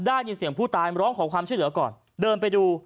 ได้ยินเสียงผู้ตายมาร้องขอความช่วยเหลือก่อนเดินไปดู